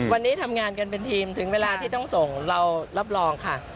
วันนี้ทำงานกันเป็นทีมถึงเวลาที่ต้องส่งเรารับรองค่ะ